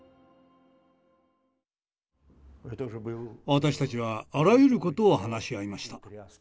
私たちはあらゆることを話し合いました。